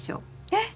えっ！